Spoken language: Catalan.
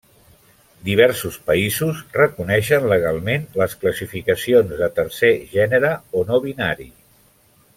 Diversos països reconeixen legalment les classificacions de tercer gènere o no-binari.